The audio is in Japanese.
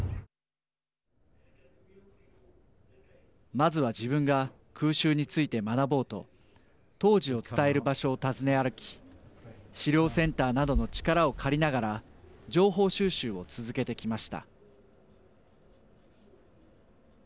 まずは自分が空襲について学ぼうと当時を伝える場所を訪ね歩き資料センターなどの力を借りながら情報収集を続けてきました。